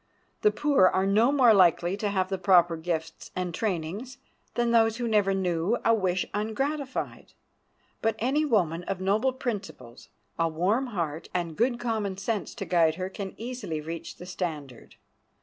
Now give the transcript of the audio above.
The poor are no more likely to have the proper gifts and trainings than those who never knew a wish ungratified. But any woman of noble principles, a warm heart, and good common sense to guide her can easily reach the standard.